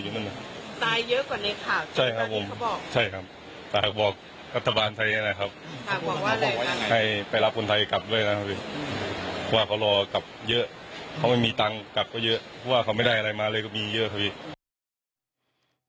เพราะว่าเขารอกลับเยอะเขาไม่มีตังค์กลับก็เยอะเพราะว่าเขาไม่ได้อะไรมาเลยก็มีเยอะครับพี่